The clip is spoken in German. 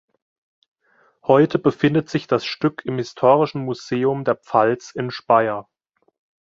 Heute befindet sich das Stück im Historischen Museum der Pfalz in Speyer.